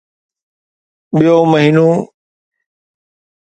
ٻيو مهينو